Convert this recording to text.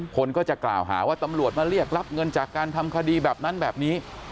คนก็จะกล่าวหาว่าตำรวจมาเรียกรับเงินจากการทำคดีแบบนั้นแบบนี้